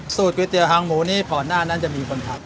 ก๋วยเตี๋ยหางหมูนี้ก่อนหน้านั้นจะมีคนทัก